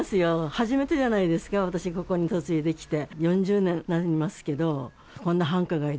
初めてじゃないですか、私、ここに嫁いできて、４０年になりますけど。